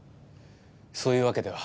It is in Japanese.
そういうわけでは。